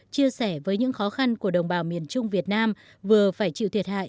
chia sẻ với những khó khăn của đồng bào miền trung việt nam vừa phải chịu thiệt hại